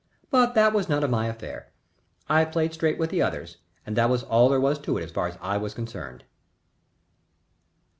But that was none of my affair. I played straight with the others, and that was all there was to it as far as I was concerned.